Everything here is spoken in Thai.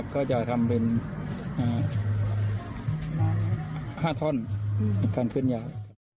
ก็จะทำเป็น๕ท่อนการเคลื่อนย้าย